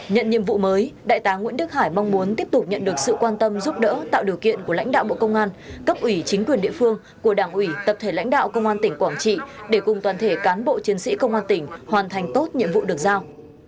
nhận nhiệm vụ mới đại tá nguyễn đức hải mong muốn tiếp tục nhận được sự quan tâm giúp đỡ tạo điều kiện của lãnh đạo bộ công an cấp ủy chính quyền địa phương của đảng ủy tập thể lãnh đạo công an tỉnh quảng trị để cùng toàn thể cán bộ chiến sĩ công an tỉnh hoàn thành tốt nhiệm vụ được giao